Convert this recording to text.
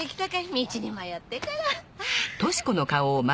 道に迷ってから。